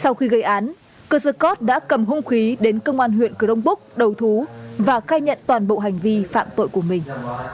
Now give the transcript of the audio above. sau khi gây án cơ sơ cót đã cầm hung khí đến công an huyện cửa đông bốc đầu thú và cai nhận toàn bộ hành vi phạm tội của mình